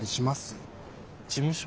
事務所？